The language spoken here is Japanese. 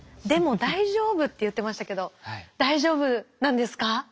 でも大丈夫！」って言ってましたけど大丈夫なんですか？